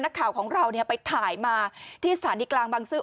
นักข่าวของเราไปถ่ายมาที่สถานีกลางบังซื้อ